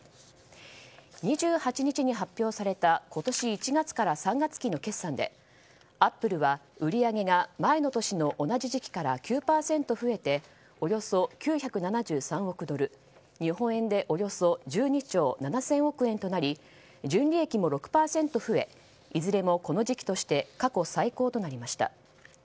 ２８日に発表された今年１月から３月期の決算でアップルは売上が前の年の同じ時期から９％増えておよそ９７３億ドル、日本円でおよそ１２兆７０００億円となり純利益も６％増えいずれもこの時期として過去最高となりました。